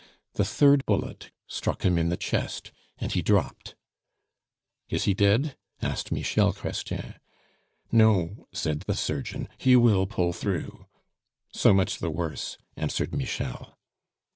The third bullet struck him in the chest, and he dropped. "Is he dead?" asked Michel Chrestien. "No," said the surgeon, "he will pull through." "So much the worse," answered Michel.